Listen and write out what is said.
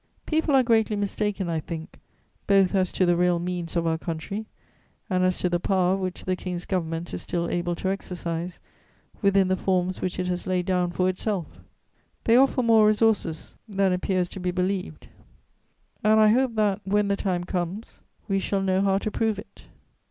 "People are greatly mistaken, I think, both as to the real means of our country and as to the power which the King's Government is still able to exercise within the forms which it has laid down for itself; they offer more resources than appears to be believed, and I hope that, when the time comes, we shall know how to prove it.